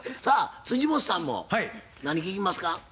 さあ本さんも何聞きますか？